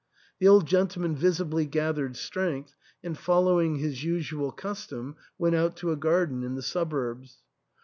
The old gentleman visibly gathered strength, and following his usual custom, went out to a garden in the suburbs.